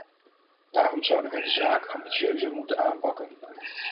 Daarom zouden wij de zaak ambitieuzer moeten aanpakken.